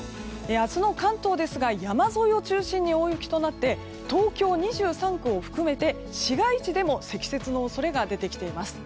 明日の関東ですが山沿いを中心に大雪となって東京２３区を含めて市街地でも積雪の恐れが出てきています。